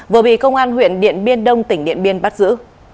vừa bị công an huyện điện biên đông tỉnh điện biên bắt giữ